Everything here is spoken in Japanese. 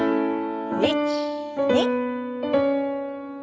１２。